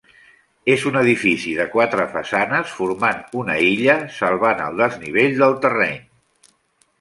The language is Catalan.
És un edifici de quatre façanes formant una illa, salvant el desnivell del terreny.